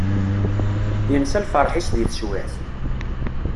Yensa lferḥ-is deg teswiεt.